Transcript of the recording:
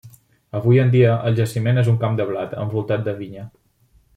Avui en dia, el jaciment és un camp de blat, envoltat de vinya.